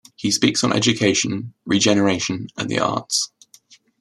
He speaks on education, regeneration and the arts.